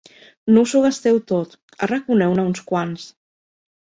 No us ho gasteu tot, arraconeu-ne uns quants.